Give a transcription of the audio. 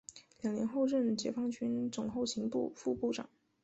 两年后任解放军总后勤部副部长。